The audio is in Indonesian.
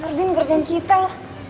nur dini bekerjaan kita lah